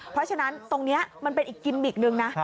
เพราะฉะนั้นตรงนี้มันเป็นอีกกิมมิกหนึ่งนะ